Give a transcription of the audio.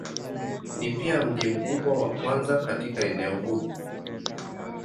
Ni pia mji mkubwa wa kwanza katika eneo huu.